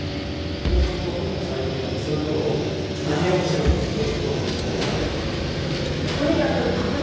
共産党は富の再分配でそういうところをやめようとしていますもんね。